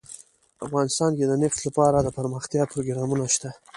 افغانستان کې د نفت لپاره دپرمختیا پروګرامونه شته.